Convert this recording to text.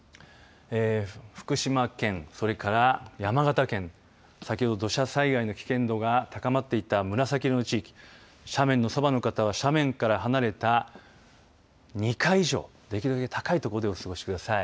福島県、それから山形県先ほど土砂災害の危険度が高まっていた紫色の地域斜面のそばの方は斜面から離れた２階以上、できるだけ高い所でお過ごしください。